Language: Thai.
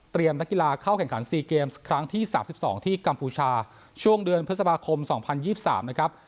เตรียมนักกีฬาเข้าแข่งขันสี่เกมครั้งที่สามสิบสองที่กัมพูชาช่วงเดือนพฤษภาคมสองพันยี่สิบสามนะครับ